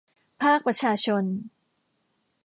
ภาคประชาชน